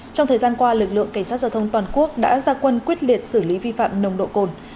trong thời gian qua lực lượng cảnh sát giao thông toàn quốc đã ra quân quyết liệt xử lý vi phạm nồng độ cồn